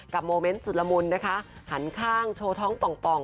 โมเมนต์สุดละมุนนะคะหันข้างโชว์ท้องป่อง